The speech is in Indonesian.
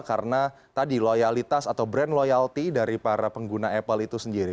karena tadi loyalitas atau brand loyalty dari para pengguna apple itu sendiri